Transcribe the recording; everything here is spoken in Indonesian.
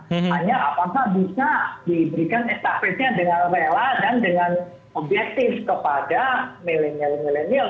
hanya apakah bisa diberikan estafetnya dengan rela dan dengan objektif kepada milenial milenial